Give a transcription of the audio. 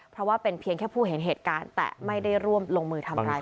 เพราะว่าเป็นเพียงแค่ผู้เห็นเหตุการณ์แต่ไม่ได้ร่วมลงมือทำร้าย